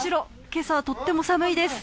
今朝はとっても寒いです。